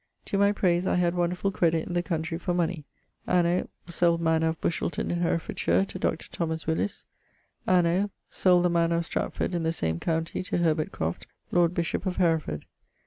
To my prayse, wonderfull credit in the countrey for money. Anno ... sold manor of Bushelton in Herefordshire to Dr. T Willis. Anno ... sold the manor of Stratford in the same county to Herbert lord bishop of Hereford.